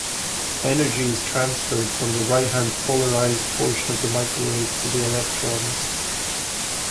Energy is transferred from the right-hand polarized portion of the microwave to the electrons.